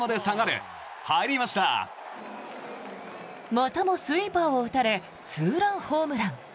またもスイーパーを打たれツーランホームラン。